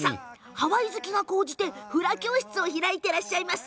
ハワイ好きが高じてフラ教室を開いていらっしゃいます。